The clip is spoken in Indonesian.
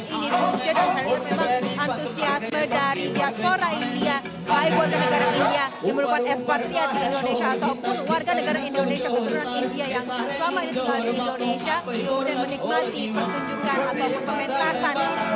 indonesia indonesia indonesia indonesia indonesia